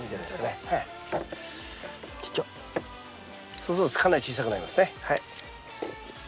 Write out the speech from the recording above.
そうするとかなり小さくなりますね。